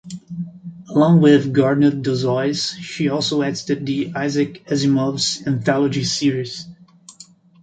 Along with Gardner Dozois she also edited the "Isaac Asimov's" anthology series.